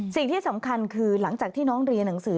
สิ่งที่สำคัญคือหลังจากที่น้องเรียนหนังสือ